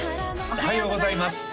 おはようございます